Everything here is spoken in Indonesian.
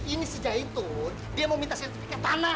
ini si jaitun dia mau minta sertifikat tanah